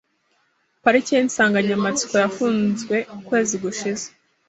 Parike yinsanganyamatsiko yafunzwe ukwezi gushize .